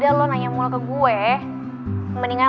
ya udah terlalu lama bersinggung